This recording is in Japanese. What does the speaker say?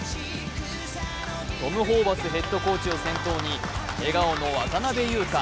トム・ホーバスヘッドコーチを先頭に笑顔の渡邊雄太。